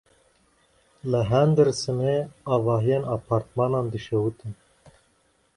Li Hendersonê avahiyên apartmanan dişewitin.